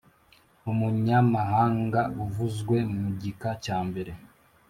Umunyamahanga uvuzwe mu gika cya mbere